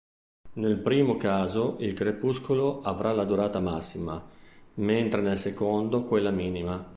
Nel primo caso il crepuscolo avrà la durata massima, mentre nel secondo quella minima.